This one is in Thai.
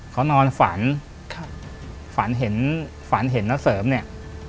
เขานอนฝันฝันเห็นนักเสริมเนี่ย